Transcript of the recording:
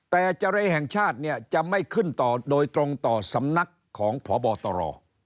แต่เจรแห่งชาติเนี่ยจะไม่ขึ้นต่อโดยตรงต่อสำนักของพบตร